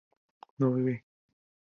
no bebe